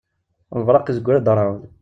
Lberq izewwir-d rreεḍ.